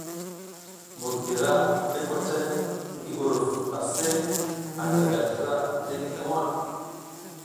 Mbur titira i kocay ngi uruf, aseʼe anta ta ga slra jenge ta waʼa.